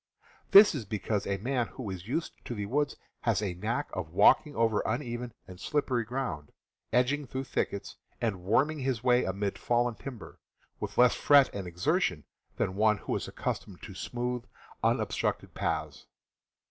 This is because a man who is used to the woods has a knack of walking over uneven and slippery ground, edging through thickets, and worming his way amid fallen timber, with less fret and exertion than one who is accustomed to smooth, unobstructed paths.